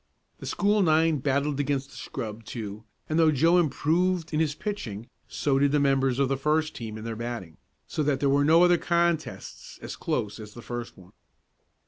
The school nine battled against the scrub, too, and though Joe improved in his pitching so did the members of the first team in their batting, so that there were no other contests as close as the first one.